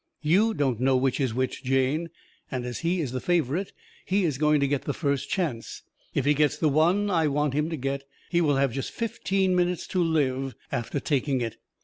YOU don't know which is which, Jane. And as he is the favourite, he is going to get the first chance. If he gets the one I want him to get, he will have just fifteen minutes to live after taking it.